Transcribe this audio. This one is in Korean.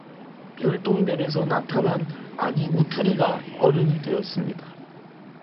별똥별에서 나타난 아기 우투리가 어른이 되었습니다.